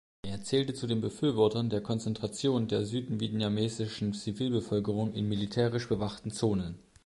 Er zählte zu den Befürwortern der Konzentration der südvietnamesischen Zivilbevölkerung in militärisch bewachten Zonen.